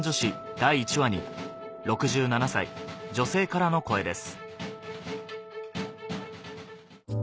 第１話に６７歳女性からの声です